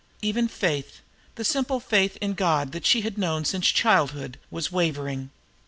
Even faith, the simple faith in God that she had known since childhood, was wavering.